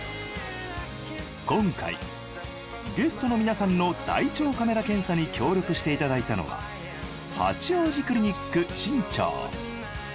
今回ゲストの皆さんの大腸カメラ検査に協力していただいたのは八王子クリニック新町。